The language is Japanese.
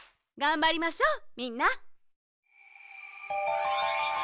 がんばりましょうみんな。